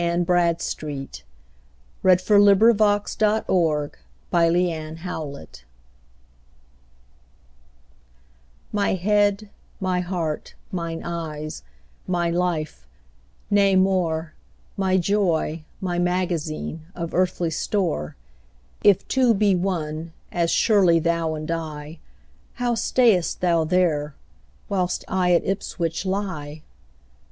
Y Z A Letter to Her Husband Absent upon Public Employment MY head, my heart, mine eyes, my life, nay more, My joy, my magazine, of earthly store, If two be one, as surely thou and I, How stayest thou there, whilst I at Ipswich lie?